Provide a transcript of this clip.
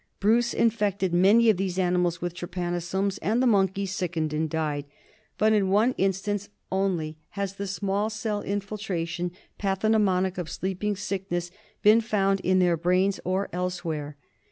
Bruce infected many of these animals with trypanosomes and the monkeys sickened and died ; but in one instance only has the small cell infiltration pathognomonic of Sleeping Sickness been found in their brains or elsewhere.